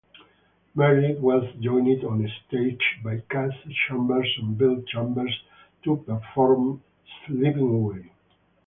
Merritt was joined on-stage by Kasey Chambers and Bill Chambers to perform "Slipping Away".